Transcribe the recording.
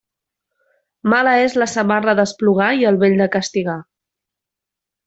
Mala és la samarra d'esplugar i el vell de castigar.